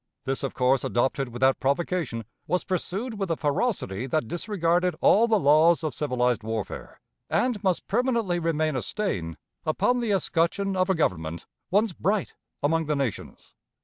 This course, adopted without provocation, was pursued with a ferocity that disregarded all the laws of civilized warfare, and must permanently remain a stain upon the escutcheon of a Government once bright among the nations.